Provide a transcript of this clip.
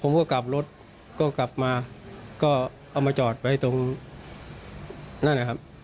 ผมก็กลับรถก็กลับมาก็เอามาจอดไว้ตรงนั้นนะครับ